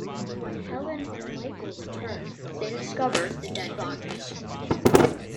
When Helen and Michael return, they discover the dead bodies.